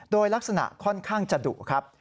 โดยลักษณะค่อนข้างจะดุครับ